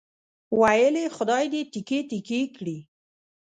ویل یې خدای دې تیکې تیکې کړي.